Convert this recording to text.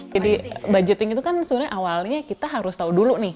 jadi budgeting itu kan sebenarnya awalnya kita harus tahu dulu nih